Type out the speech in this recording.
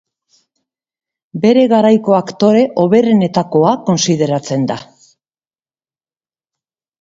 Bere garaiko aktore hoberenetakoa kontsideratzen da.